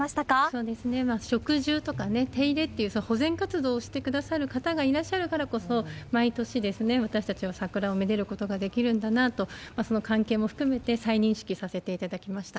そうですね、植樹と金、手入れっていう、保全活動をしてくださる方がいらっしゃるからこそ、毎年私たちは桜をめでることができるんだなと、その関係も含めて再認識させていただきました。